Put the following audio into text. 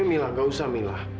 eh mila enggak usah mila